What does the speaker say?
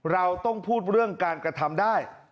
เราต้องพูดเรื่องการกระทำได้